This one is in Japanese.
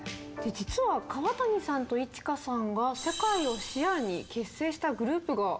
実は川谷さんとｉｃｈｉｋａさんが世界を視野に結成したグループがあるんですか？